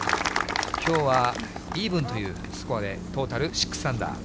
きょうはイーブンというスコアで、トータル６アンダー。